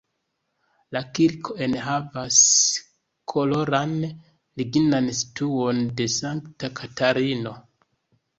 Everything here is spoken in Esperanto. La kirko enhavas koloran lignan statuon de sankta Katarino.